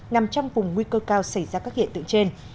nằm trong vùng nguy cơ cao xảy ra các hiện tượng trên